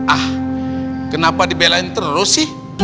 ah kenapa dibelain terus sih